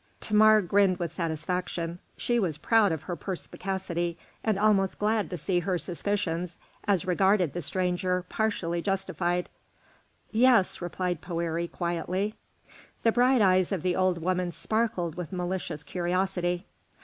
Thamar grinned with satisfaction; she was proud of her perspicacity, and almost glad to see her suspicions as regarded the stranger partially justified. "Yes," replied Poëri, quietly. The bright eyes of the old woman sparkled with malicious curiosity.